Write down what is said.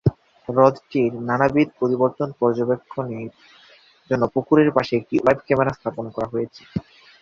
হ্রদটির নানাবিধ পরিবর্তন পর্যবেক্ষণের জন্য পুকুরের পাশে একটি ওয়েব ক্যামেরা স্থাপন করা হয়েছে।